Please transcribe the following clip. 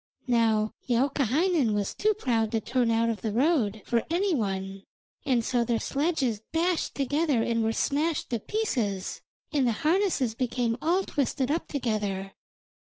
Now Youkahainen was too proud to turn out of the road for any one, and so their sledges dashed together and were smashed to pieces, and the harnesses became all twisted up together.